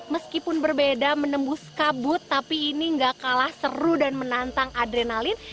meskipun berbeda menembus kabut tapi ini gak kalah seru dan menantang adrenalin